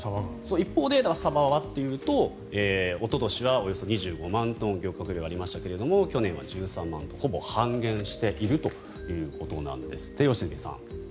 一方でサバはおととしはおよそ２５万トン漁獲量がありましたが去年は１３万とほぼ半減しているということなんですって良純さん。